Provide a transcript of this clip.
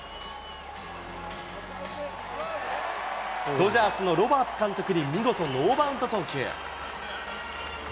ドジャースのロバーツ監督に見事ノーバウンド投球。